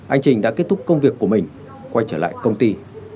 anh trình đã kết thúc công việc của mình quay trở lại công ty